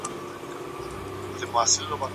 له انټرنيټ څخه مثبته ګټه واخلئ.